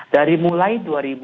dari mulai dua ribu enam belas